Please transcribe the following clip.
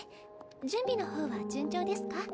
準備の方は順調ですか？